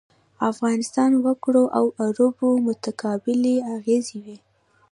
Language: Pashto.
د افغانستان وګړو او عربو متقابلې اغېزې وې.